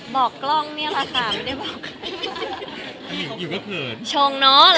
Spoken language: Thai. บอกกล้องเนี่ยแหละค่ะไม่ได้บอกใคร